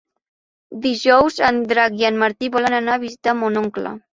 Dijous en Drac i en Martí volen anar a visitar mon oncle.